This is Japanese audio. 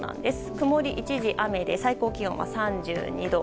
曇り一時雨で最高気温は３２度。